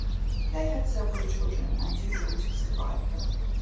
They had several children, and two daughters survived them.